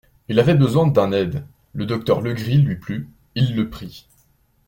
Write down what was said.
Il avait besoin d'un aide, le docteur Legris lui plut, il le prit.